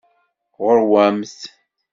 Ɣur-wamt!